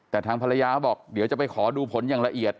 แต่ทางภรรยาเขาบอกเดี๋ยวจะไปขอดูผลอย่างละเอียด